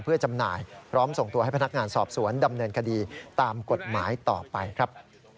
เพื่อจำหน่ายพร้อมส่งตัวให้พนักงานสอบสวนดำเนินคดีตามกฎหมายต่อไปครับ